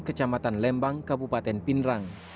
kecamatan lembang kabupaten pinerang